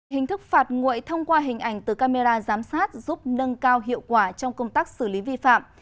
hình thức phạt nguội thông qua hình ảnh từ camera giám sát giúp nâng cao hiệu quả trong công tác xử lý vi phạm